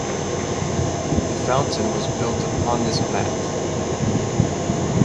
The fountain was built upon this mat.